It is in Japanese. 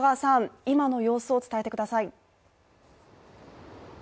今の様子を伝えてください。